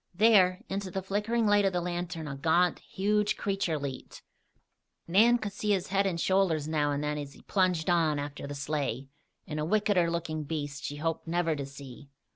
There, into the flickering light of the lantern, a gaunt, huge creature leaped. Nan could see his head and shoulders now and then as he plunged on after the sleigh, and a wickeder looking beast, she hoped never to see.